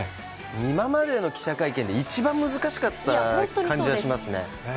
今までの記者会見で一番難しかった感じがしますね。